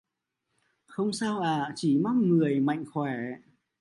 Không sao ạ chỉ mong người mạnh khoẻ